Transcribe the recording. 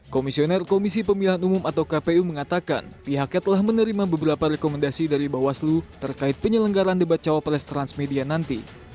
komisioner komisi pemilihan umum atau kpu mengatakan pihaknya telah menerima beberapa rekomendasi dari bawaslu terkait penyelenggaran debat cawapres transmedia nanti